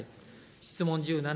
質問１７。